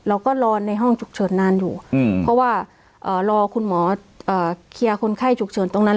เราก็รอในห้องฉุกเฉินนานอยู่เพราะว่ารอคุณหมอเคลียร์คนไข้ฉุกเฉินตรงนั้น